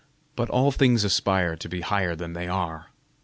But all things aspire to be higher than they are.